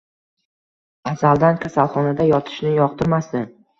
Azaldan kasalxonada yotishni yoqtirmasdi